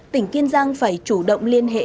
tỉnh kiên giang phải chủ động liên hệ